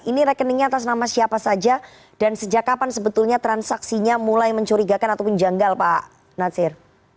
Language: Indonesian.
ini rekeningnya atas nama siapa saja dan sejak kapan sebetulnya transaksinya mulai mencurigakan ataupun janggal pak natsir